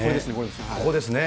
ここですね。